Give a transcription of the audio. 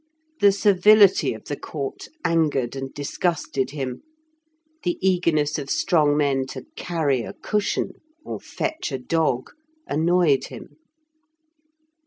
The servility of the court angered and disgusted him; the eagerness of strong men to carry a cushion or fetch a dog annoyed him.